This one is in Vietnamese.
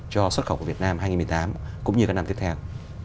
cho xuất khẩu của việt nam hai nghìn một mươi tám cũng như các năm tiếp theo